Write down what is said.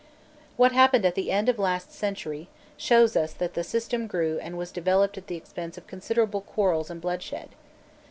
What happened at the end of last century, shows us that the system grew and was developed at the expense of considerable quarrels and bloodshed.